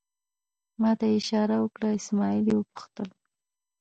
ما ته یې اشاره وکړه، اسمعیل یې وپوښتل.